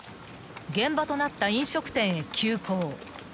［現場となった飲食店へ急行。